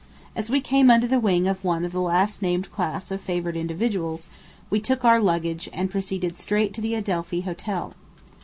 As we came under the wing of one of the last named class of favored individuals, we took our luggage, and proceeded straight to the Adelphi Hotel.